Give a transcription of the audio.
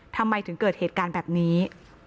ทำไมถึงเกิดเหตุการณ์แบบนี้